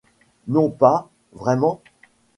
Non pas, vraiment.